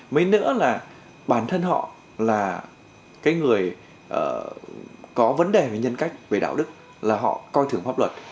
mấy nữa là bản thân họ là cái người có vấn đề về nhân cách về đạo đức là họ coi thường pháp luật